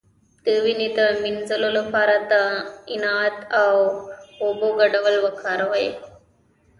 د وینې د مینځلو لپاره د عناب او اوبو ګډول وکاروئ